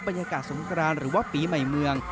บรรยากาศสงกรานหรือว่าปีใหม่เมือง